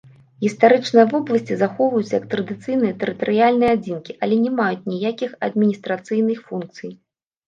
Гістарычныя вобласці захоўваюцца як традыцыйныя тэрытарыяльныя адзінкі, але не маюць ніякіх адміністрацыйных функцый.